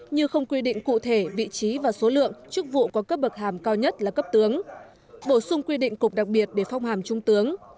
như không quy định cụ thể vị trí và số lượng chức vụ có cấp bậc hàm cao nhất là cấp tướng bổ sung quy định cục đặc biệt để phong hàm trung tướng